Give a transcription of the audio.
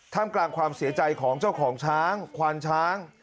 กลางความเสียใจของเจ้าของช้างควานช้าง